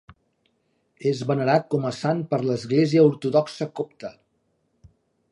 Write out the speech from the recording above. És venerat com a sant per l'Església Ortodoxa Copta.